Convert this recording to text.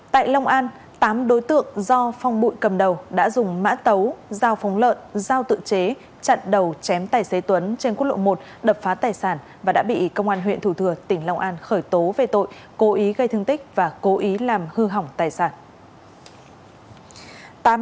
tại long an tám đối tượng do phong bụi cầm đầu đã dùng mã tấu dao phóng lợn dao tự chế chặn đầu chém tài xế tuấn trên quốc lộ một đập phá tài sản và đã bị công an huyện thủ thừa tỉnh long an khởi tố về tội cố ý gây thương tích và cố ý làm hư hỏng tài sản